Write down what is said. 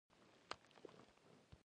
افغانستان د هوا له مخې پېژندل کېږي.